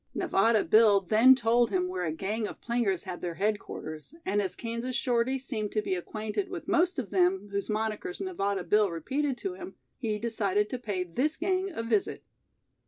Nevada Bill then told him where a gang of plingers had their headquarters, and as Kansas Shorty seemed to be acquainted with most of them whose monickers Nevada Bill repeated to him, he decided to pay this gang a visit.